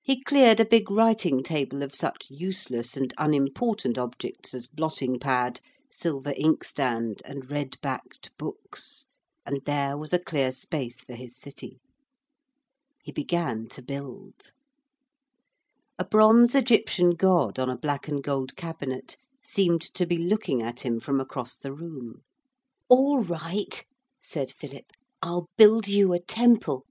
He cleared a big writing table of such useless and unimportant objects as blotting pad, silver inkstand, and red backed books, and there was a clear space for his city. He began to build. A bronze Egyptian god on a black and gold cabinet seemed to be looking at him from across the room. 'All right,' said Philip. 'I'll build you a temple.